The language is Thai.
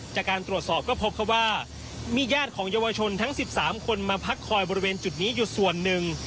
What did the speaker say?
จากการตรวจสอบก็พบเขาว่ามีญาติของเยาวชนทั้ง๑๓คนมาพักคอยบริเวณจุดนี้อยู่ส่วนหนึ่ง